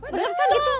bener kan gitu